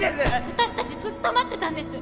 私たちずっと待ってたんです。